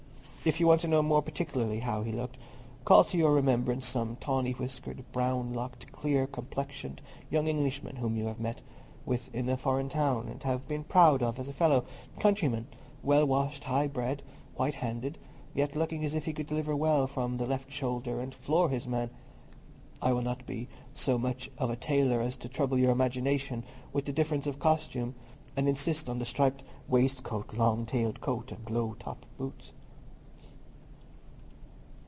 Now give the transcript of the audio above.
If you want to know more particularly how he looked, call to your remembrance some tawny whiskered, brown locked, clear complexioned young Englishman whom you have met with in a foreign town, and been proud of as a fellow countryman—well washed, high bred, white handed, yet looking as if he could deliver well from 'the left shoulder and floor his man: I will not be so much of a tailor as to trouble your imagination with the difference of costume, and insist on the striped waistcoat, long tailed coat, and low top boots.